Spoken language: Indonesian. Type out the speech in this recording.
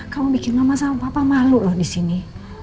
kamu bikin mama sama papa malu loh disini